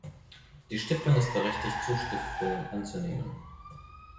Die Stiftung ist berechtigt, Zustiftungen anzunehmen.